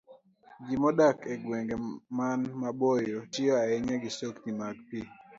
Ji modak e gwenge man maboyo tiyo ahinya gi sokni mag pi.